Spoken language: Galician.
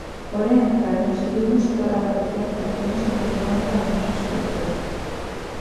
Porén, para conseguirmos a torrada perfecta temos que ter en conta algúns aspectos.